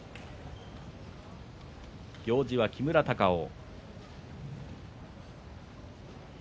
行司は木村隆男。